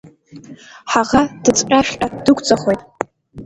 Ҳаӷа дыцҟьашәҟьа дықәҵахоит.